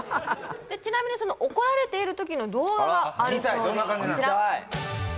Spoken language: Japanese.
ちなみにその怒られているときの動画があるそうなんです